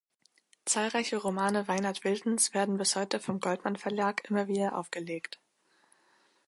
Zahlreiche Romane Weinert-Wiltons werden bis heute vom Goldmann Verlag immer wieder aufgelegt.